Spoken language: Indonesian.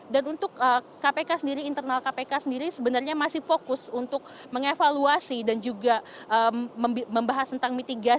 dan untuk kpk sendiri internal kpk sendiri sebenarnya masih fokus untuk mengevaluasi dan juga membahas tentang mitigasi kpk